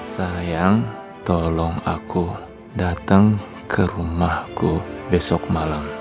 sayang tolong aku datang ke rumahku besok malam